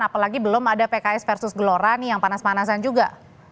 apalagi belum ada pks versus gelora nih yang panas panasan juga